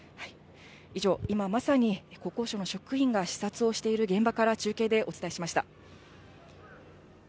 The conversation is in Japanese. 以上、今まさに国交省の職員が視察をしている現場から中継でお伝えしました。